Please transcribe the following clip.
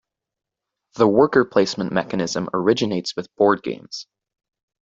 The worker placement mechanism originates with board games.